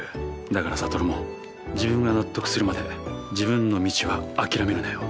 だから悟も自分が納得するまで自分の道は諦めるなよ。